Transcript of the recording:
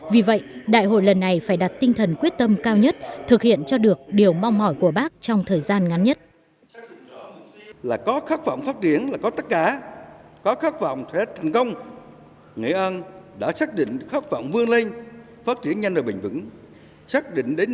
vì vậy đại hội lần này phải đặt tinh thần quyết tâm cao nhất thực hiện cho được điều mong mỏi của bác trong thời gian ngắn nhất